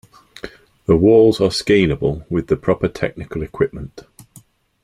The walls are scalable with the proper technical equipment.